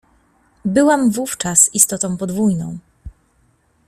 Byłam wówczas istotą podwójną.